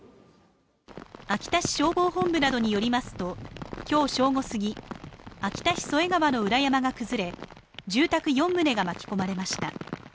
秋田市消防本部などによりますと、今日正午すぎ、秋田市添川の裏山が崩れ住宅４棟が巻き込まれました。